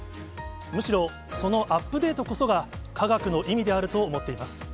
むしろ、そのアップデートこそが、科学の意味であると思っています。